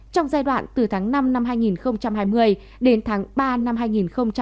trong giai đoạn từ tháng năm năm hai nghìn hai mươi đến tháng ba năm hai nghìn hai mươi